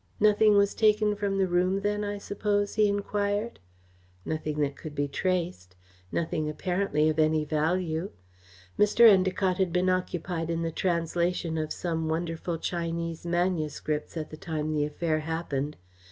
"Nothing was taken from the room then, I suppose?" he enquired. "Nothing that could be traced. Nothing apparently of any value. Mr. Endacott had been occupied in the translation of some wonderful Chinese manuscripts at the time the affair happened.